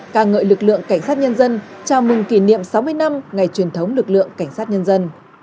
ca ngợi lực lượng cảnh sát nhân dân chào mừng kỷ niệm sáu mươi năm ngày truyền thống lực lượng cảnh sát nhân dân